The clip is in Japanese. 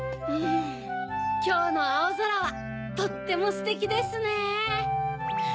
きょうのあおぞらはとってもステキですね！